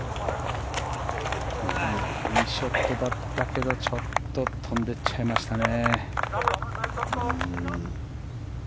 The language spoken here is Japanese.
いいショットだったけどちょっと飛んでいっちゃいましたね。